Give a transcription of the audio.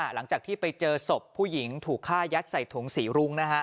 หลังจากที่ไปเจอศพผู้หญิงถูกฆ่ายัดใส่ถุงสีรุ้ง